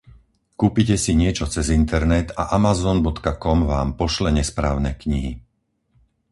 Kúpite si niečo cez internet a Amazon.com vám pošle nesprávne knihy.